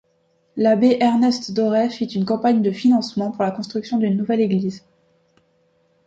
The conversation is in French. L'abbé Ernest Dorais fit une campagne de financement pour la construction d'une nouvelle église.